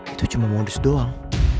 itu cuma modus doang